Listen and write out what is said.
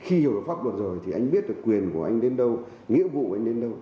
khi hiểu được pháp luật rồi thì anh biết được quyền của anh đến đâu nghĩa vụ anh đến đâu